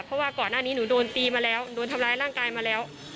เพราะว่าก่อนหน้านี้หนูโดนตีมาแล้วโดนทำร้ายร่างกายมาแล้ว